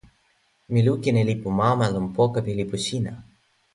mi lukin e lipu mama lon poka pi lipu sina.